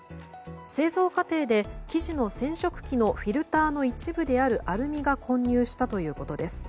製造過程で生地の染色機のフィルターの一部であるアルミが混入したということです。